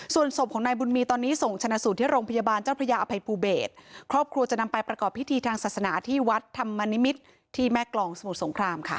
ส่วนศพของนายบุญมีตอนนี้ส่งชนะสูตรที่โรงพยาบาลเจ้าพระยาอภัยภูเบศครอบครัวจะนำไปประกอบพิธีทางศาสนาที่วัดธรรมนิมิตรที่แม่กลองสมุทรสงครามค่ะ